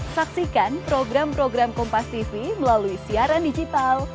saksikan program program kompas tv melalui siaran digital